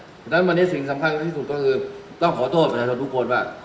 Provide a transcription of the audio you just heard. เพราะฉะนั้นวันนี้สิ่งสำคัญที่สุดก็คือต้องขอโทษประชาชนทุกคนว่า